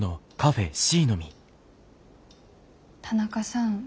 田中さん